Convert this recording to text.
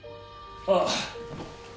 ああ。